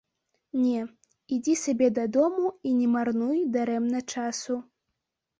Не, ідзі сабе дадому і не марнуй дарэмна часу.